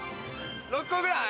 ６個くらい？